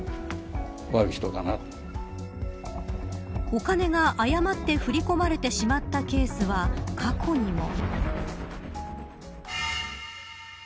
お金が誤って振り込まれてしまったケースは過去にも。